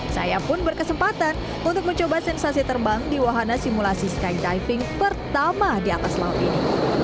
saya pun berkesempatan untuk mencoba sensasi terbang di wahana simulasi skydiving pertama di atas laut ini